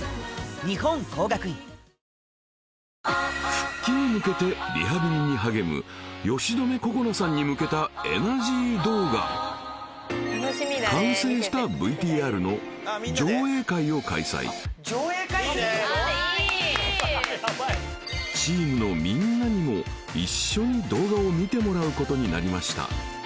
復帰に向けてリハビリに励む吉留心菜さんに向けたエナジー動画完成したＶＴＲのチームのみんなにも一緒に動画を見てもらうことになりました